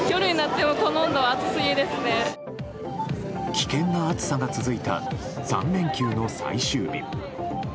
危険な暑さが続いた３連休の最終日。